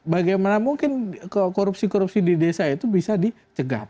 bagaimana mungkin korupsi korupsi di desa itu bisa dicegah